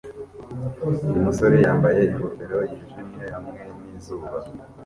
Umusore yambaye ingofero yijimye hamwe nizuba